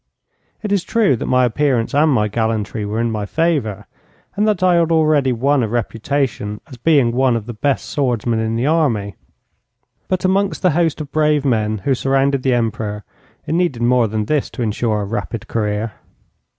It is true that my appearance and my gallantry were in my favour, and that I had already won a reputation as being one of the best swordsmen in the army; but amongst the host of brave men who surrounded the Emperor it needed more than this to insure a rapid career.